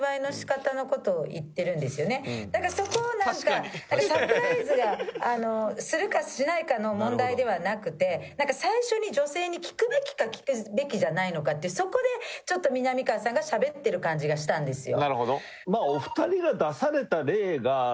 だからそこをなんかサプライズがするかしないかの問題ではなくて最初に女性に聞くべきか聞くべきじゃないのかっていうそこでみなみかわさんがしゃべってる感じがしたんですよ。